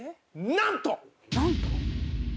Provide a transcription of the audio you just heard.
なんと？